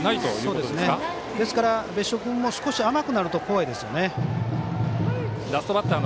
ですから、別所君も少し甘くなると怖いですね。